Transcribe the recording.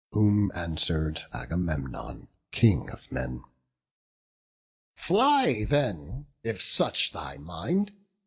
Whom answer'd Agamemnon, King of men: "Fly then, if such thy mind!